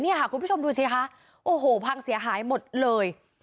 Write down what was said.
คุณผู้ชมดูสิคะโอ้โหพังเสียหายหมดเลย